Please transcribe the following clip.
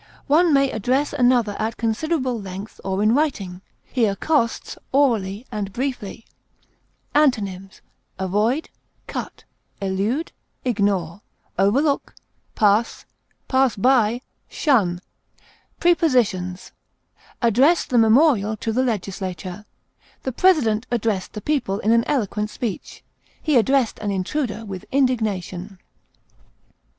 One may address another at considerable length or in writing; he accosts orally and briefly. Antonyms: avoid, elude, overlook, pass by, cut, ignore, pass, shun. Prepositions: Address the memorial to the legislature; the president addressed the people in an eloquent speech; he addressed an intruder with indignation.